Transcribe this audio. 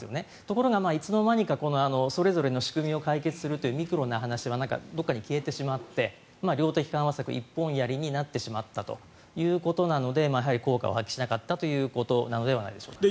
いつのまにかこれを解決するというミクロな話はどこかに消えてしまって量的緩和策一本やりになってしまったということなのでやはり効果を発揮しなかったということではないでしょうか。